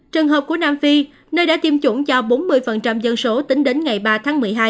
trường hợp của nam phi nơi đã tiêm chủng cho bốn mươi dân số tính đến ngày ba tháng một mươi hai